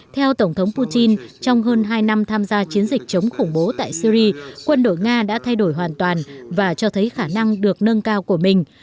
theo tổng thống putin trong hơn hai năm tham gia chiến dịch chống khủng bố tại syri quân đội nga đã thay đổi hoàn toàn và cho thấy khả năng được nâng cao của mình